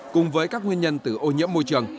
cùng với các nguyên nhân từ ô nhiễm môi trường